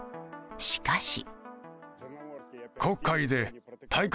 しかし。